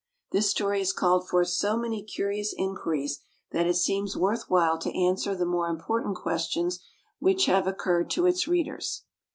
This story has called forth so many curious inquiries that it seems worth while to answer the more important questions which have occurred to its readers.